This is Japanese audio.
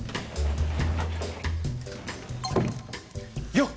よっ！